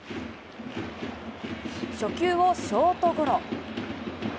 初球をショートゴロ。